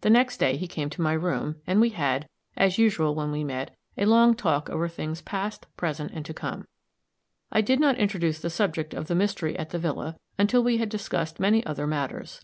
The next day he came to my room, and we had, as usual when we met, a long talk over things past, present and to come. I did not introduce the subject of the mystery at the villa until we had discussed many other matters.